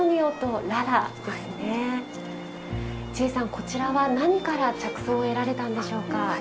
こちらは何から着想を得られたんでしょうか？